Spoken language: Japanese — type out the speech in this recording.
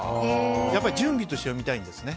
やっぱり準備として読みたいんですね。